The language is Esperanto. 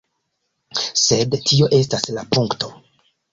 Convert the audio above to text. Sed tio estas la punkto.